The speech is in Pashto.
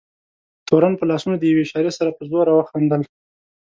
تورن په لاسونو د یوې اشارې سره په زوره وخندل.